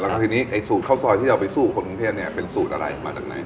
แล้วก็ทีนี้ไอ้สูตรข้าวซอยที่เราไปสู้คนกรุงเทพเนี่ยเป็นสูตรอะไรมาจากไหน